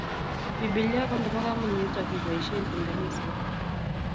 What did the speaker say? bibilia ko nebo kamangut ak kibaishen eng kaniset